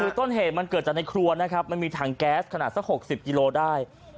คือต้นเหตุมันเกิดจากในครัวนะครับมันมีถังแก๊สขนาดสัก๖๐กิโลได้